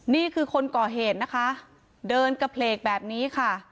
นี่คือคนก่อเหตุนะคะเดินกระเพลกแบบนี้ค่ะ